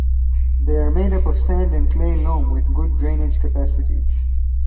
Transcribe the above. They are made up of sand and clay loam with good drainage capacities.